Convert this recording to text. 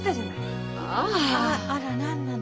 あら何なの？